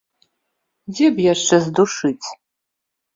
Дзе б яшчэ здушыць?